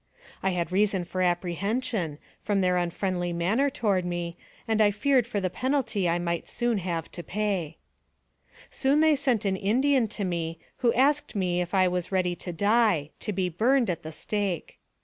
I had reason for apprehension, from their unfriendly manner toward me, and feared for the penalty I might soon have to pay. Soon they sent an Indian to me, who asked me if I was ready to die to be burned at the stake.